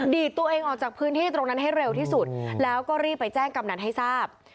ดีดตัวเองออกจากพื้นที่ตรงนั้นให้เร็วที่สุดแล้วก็รีบไปแจ้งกำนันให้ทราบ